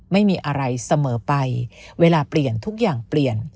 ไม่มีอะไรเสมอไปเวลาเปลี่ยนทุกอย่างเปลี่ยน